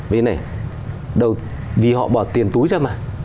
vì họ bỏ tiền túi ra mà